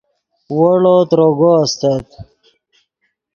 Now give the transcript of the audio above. ویڑو تروگو استت